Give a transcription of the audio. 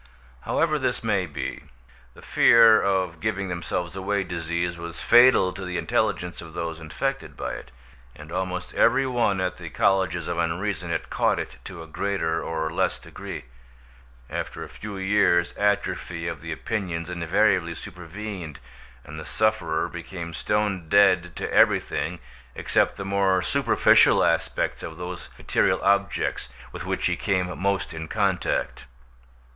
However this may be, the fear of giving themselves away disease was fatal to the intelligence of those infected by it, and almost every one at the Colleges of Unreason had caught it to a greater or less degree. After a few years atrophy of the opinions invariably supervened, and the sufferer became stone dead to everything except the more superficial aspects of those material objects with which he came most in contact.